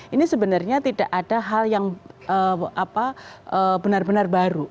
ini sebenarnya tidak ada hal yang benar benar baru